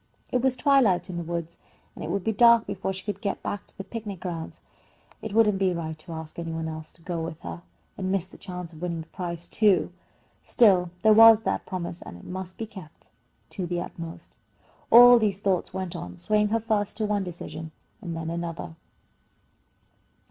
It was twilight in the woods, and it would be dark before she could get back to the picnic grounds. It wouldn't be right to ask any one else to go with her, and miss the chance of winning the prize, too. Still, there was that promise, and it must be kept to the utmost. All these thoughts went on, swaying her first to one decision and then another.